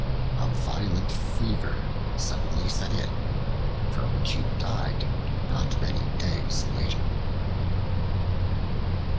A violent fever suddenly set in, from which he died not many days later.